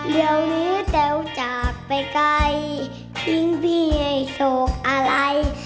เดี๋ยวนี้เต๋วจากไปใกล้ทิ้งพี่ในโศกอะไร